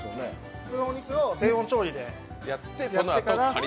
普通のお肉を低温調理でやってから。